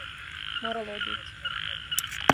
Морало је бити.